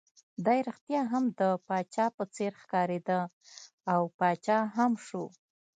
دی ريښتیا هم د پاچا په څېر ښکارېد، او پاچا هم شو.